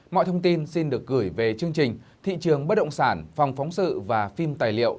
mọi thông tin xin được gửi về chương trình thị trường bất động sản phòng phóng sự và phim tài liệu